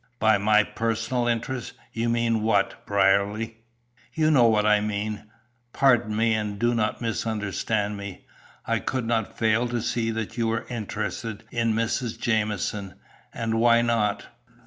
"By my 'personal interest' you mean what, Brierly?" "You know what I mean. Pardon me, and do not misunderstand me. I could not fail to see that you were interested in Mrs. Jamieson, and why not?"